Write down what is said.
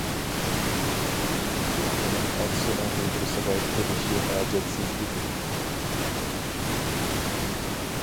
لېكىن ئۇنىڭ ئاتىسىنىڭ ھۇجرىسىغا كىرىشى ھاجەتسىز ئىدى.